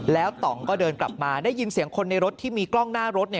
แล้วต่องก็เดินกลับมาได้ยินเสียงคนในรถที่มีกล้องหน้ารถ